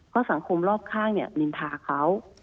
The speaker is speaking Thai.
ก็สังคมรอบข้างนินทาเขา